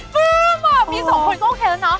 เกร็งเนอะปื๊มว่ะมี๒คนโอเคแล้วเนอะ